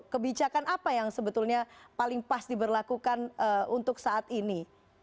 kebijakan apa yang sebetulnya paling pas diberlakukan untuk saat ini